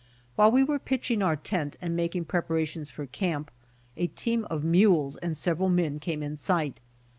While we were pitching our tent and making preparations for camp, a team of mules and several men came in sight.